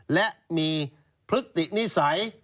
และมีพฤตินิสัย